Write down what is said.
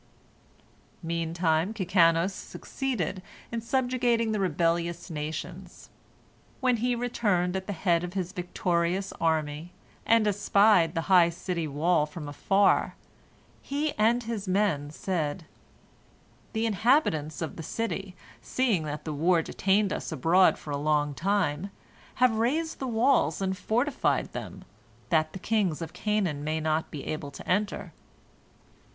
Meantime Kikanos succeeded in subjugating the rebellious nations. When he returned at the head of his victorious army, and espied the high city wall from afar, he and his men said: "The inhabitants of the city, seeing that the war detained us abroad for a long time, have raised the walls and fortified them, that the kings of Canaan may not be able to enter."